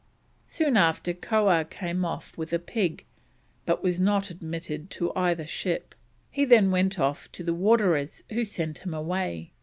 Soon after Koah came off with a pig, but was not admitted to either ship; he then went off to the waterers, who sent him away.